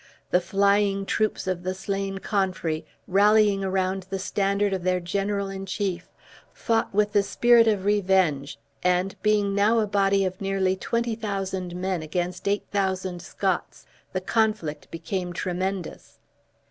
The flying troops of the slain Confrey, rallying around the standard of their general in chief, fought with the spirit of revenge, and, being now a body of nearly 20,000 men, against 8000 Scots, the conflict became tremendous.